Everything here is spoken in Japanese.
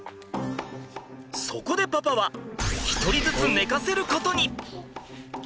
そこでパパは１人ずつ寝かせることに。